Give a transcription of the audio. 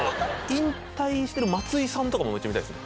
引退してる松井さんとかもめっちゃ見たいです。